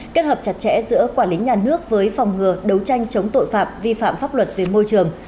kết hợp chặt chẽ giữa quản lý nhà nước với phòng ngừa đấu tranh chống tội phạm vi phạm pháp luật về môi trường